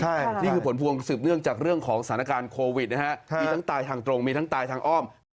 ใช่นี่คือผลพวงสืบเนื่องจากเรื่องของสถานการณ์โควิดนะฮะมีทั้งตายทางตรงมีทั้งตายทางอ้อม